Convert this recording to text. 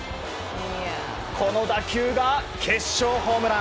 この打球が決勝ホームラン。